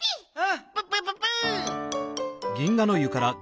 プップププ！